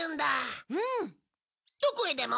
どこへでも？